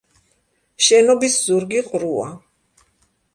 შენობის ზურგი ყრუა.